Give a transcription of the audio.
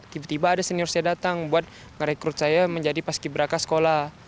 tiba tiba ada senior saya datang buat ngerekrut saya menjadi paski beraka sekolah